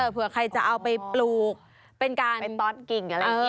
เผื่อใครจะเอาไปปลูกเป็นการตอสกิ่งอะไรอย่างนี้